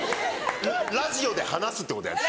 ラジオで話すってことやる。